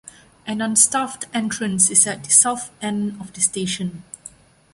An un-staffed entrance is at the south end of the station.